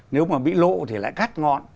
nếu mà bị lộ thì lại cắt ngọn